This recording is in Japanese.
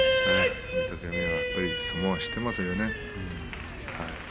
御嶽海は相撲を知っていますね。